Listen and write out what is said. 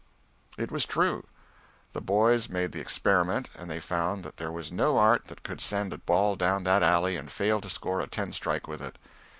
It was true. The boys made the experiment and they found that there was no art that could send a ball down that alley and fail to score a ten strike with it.